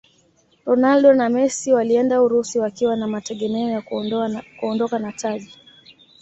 ronaldo na messi walienda urusi wakiwa na mategemeo ya kuondoka na taji